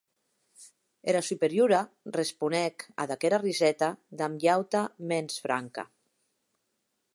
Era Superiora responec ad aquera riseta damb ua auta mens franca.